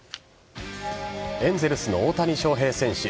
エンゼルスの大谷翔平選手。